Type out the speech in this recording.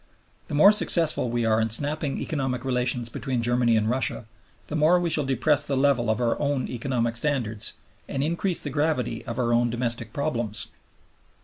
The more successful we are in snapping economic relations between Germany and Russia, the more we shall depress the level of our own economic standards and increase the gravity of our own domestic problems.